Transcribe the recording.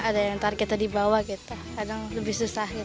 ada yang targetnya di bawah gitu kadang lebih susah